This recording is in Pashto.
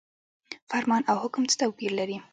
فرمان او حکم څه توپیر لري؟